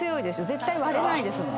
絶対割れないですもん。